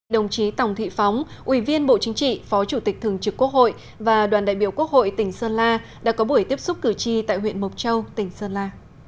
đồng chí tòng thị phóng ủy viên bộ chính trị phó chủ tịch thường trực quốc hội và đoàn đại biểu quốc hội tỉnh sơn la đã có buổi tiếp xúc cử tri tại huyện mộc châu tỉnh sơn la